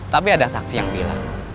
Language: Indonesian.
tapi ada saksi yang bilang